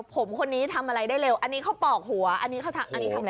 ผมคนนี้ทำอะไรได้เร็วอันนี้เขาปอกหัวอันนี้เขาทำอันนี้ทำอะไร